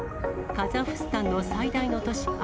カザフスタンの最大の都市